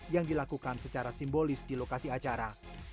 yang dilakukan secara simbolis di lokasi acara